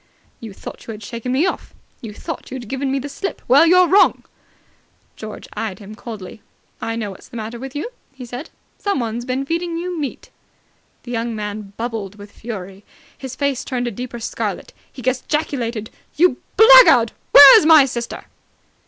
"You thought you had shaken me off! You thought you'd given me the slip! Well, you're wrong!" George eyed him coldly. "I know what's the matter with you," he said. "Someone's been feeding you meat." The young man bubbled with fury. His face turned a deeper scarlet. He gesticulated. "You blackguard! Where's my sister?"